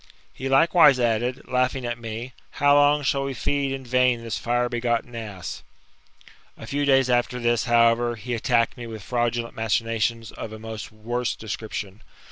He likewise added, laughing at me, How long shall we feed in vain this fire begotten ass ? A few days after this, however, he attacked me with fraudu lent machinations of a much worse description.